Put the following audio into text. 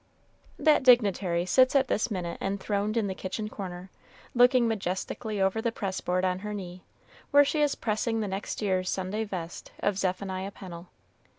That dignitary sits at this minute enthroned in the kitchen corner, looking majestically over the press board on her knee, where she is pressing the next year's Sunday vest of Zephaniah Pennel.